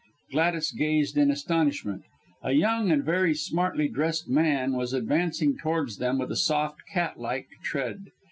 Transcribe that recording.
Gladys gazed in astonishment. A young and very smartly dressed man was advancing towards them with a soft, cat like tread.